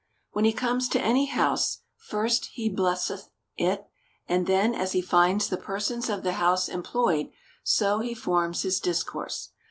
When he comes to any house, first he blesseth it ; and then, as he finds the persons of the house employed, so he forms his discourse.